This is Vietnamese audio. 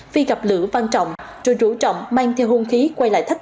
phi gặp lữ văn trọng rồi rủ trọng mang theo hôn khí quay lại thách thức